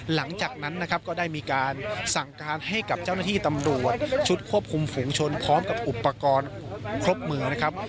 หลังจากนั้นนะครับก็ได้มีการสั่งการให้กับเจ้าหน้าที่ตำรวจชุดควบคุมฝูงชนพร้อมกับอุปกรณ์ครบมือนะครับ